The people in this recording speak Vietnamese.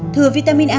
thừa vitamin a